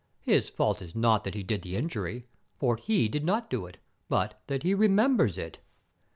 His fault is not that he did the injury, for he did not do it, but that he remembers it.